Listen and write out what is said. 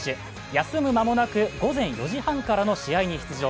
休む間もなく午前４時半からの試合に出場。